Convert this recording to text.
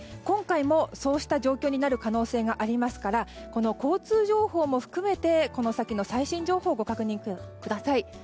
今回もそうした状況になる可能性がありますからこの交通情報も含めてこの先の最新情報をご確認ください。